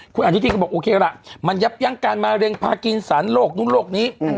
คุณอนุทินก็บอกโอเคล่ะมันยับยั้งการมะเร็งพากินสารโรคนู้นโรคนี้